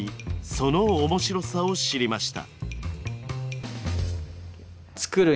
その面白さを知りました。